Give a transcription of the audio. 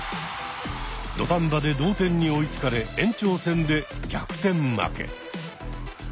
土壇場で同点に追いつかれ延長戦で逆転負け。